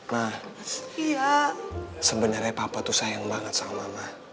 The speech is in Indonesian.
ma sebenernya papa tuh sayang banget sama mama